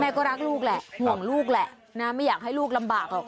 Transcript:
ก็รักลูกแหละห่วงลูกแหละนะไม่อยากให้ลูกลำบากหรอก